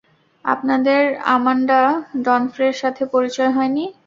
আপনাদের আমান্ডা ডনফ্রের সাথে পরিচয় হয়নি!